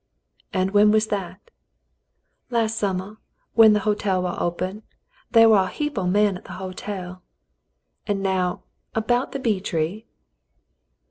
"And when was that ?" "Las' summah, v»^hen th' hotel war open. They war a heap o' men at th' hotel." "And now about the bee tree.